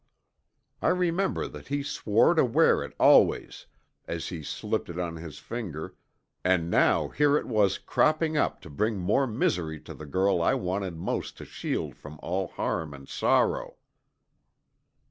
I remember that he swore to wear it always as he slipped it on his finger, and now here it was cropping up to bring more misery to the girl I wanted most to shield from all harm and sorrow.